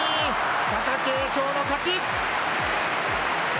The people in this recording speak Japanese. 貴景勝の勝ち。